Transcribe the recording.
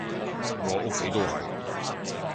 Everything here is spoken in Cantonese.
我屋企都係